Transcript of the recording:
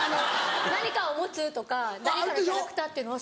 何かを持つとか何かのキャラクターっていうのは。